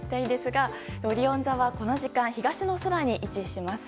オリオン座はこの時間、東の空に位置します。